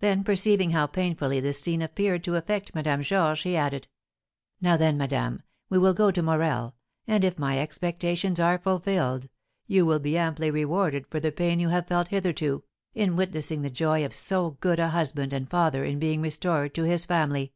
Then, perceiving how painfully this scene appeared to affect Madame Georges, he added, "Now, then, madame, we will go to Morel, and, if my expectations are fulfilled, you will be amply rewarded for the pain you have felt hitherto, in witnessing the joy of so good a husband and father in being restored to his family."